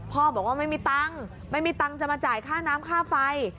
บอกว่าไม่มีตังค์ไม่มีตังค์จะมาจ่ายค่าน้ำค่าไฟ